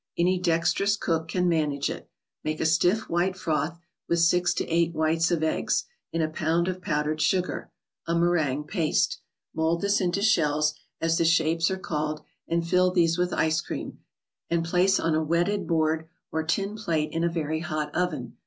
Any dexterous cook can manage it. Make a stiff, white froth, with six to eight whites of eggs, in a pound of powdered sugar, a " Mer¬ ingue paste." Mold this into " shells," as the shapes are called, and fill these with ice cream, and place on a wet¬ ted board, or tin plate, in a very hot oven.